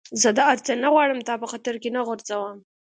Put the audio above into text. زه دا هر څه نه غواړم، تا په خطر کي نه غورځوم.